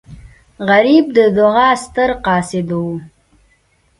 غریب د دعا ستر قاصد وي